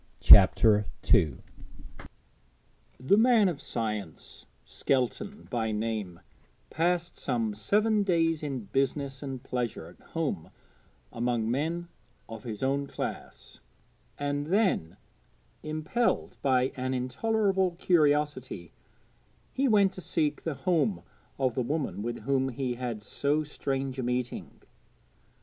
CHAPTER II The man of science, Skelton by name, passed some seven days in business and pleasure at home among men of his own class, and then, impelled by an intolerable curiosity, he went to seek the home of the woman with whom he had so strange a meeting.